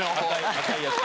赤いやつ。